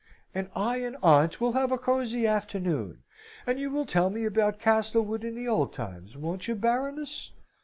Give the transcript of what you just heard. "And I and aunt will have a cosy afternoon. And you will tell me about Castlewood in the old times, won't you, Baroness?"